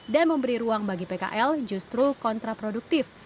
dan memberi ruang bagi pkl justru kontraproduktif